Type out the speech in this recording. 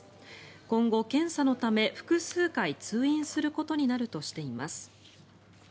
今後、検査のため複数回通院することになるとしています。